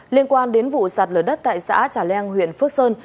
liên quan đến vụ sạt lở đất tại xã trà leng huyện phước sơn